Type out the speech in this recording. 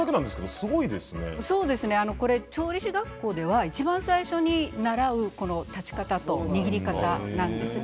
そうですね、調理師学校ではいちばん最初に習う立ち方と握り方なんですね。